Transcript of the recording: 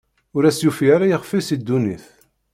Ur as-yufi ara ixf-is i ddunit.